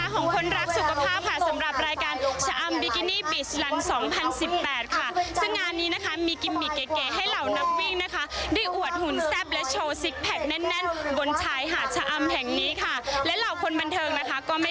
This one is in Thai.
ก็ไม่พลาดที่จะมาร่วมงานนี้ด้วยค่ะ